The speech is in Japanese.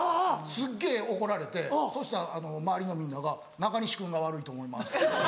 すっげぇ怒られてそしたら周りのみんなが「中西君が悪いと思います」って。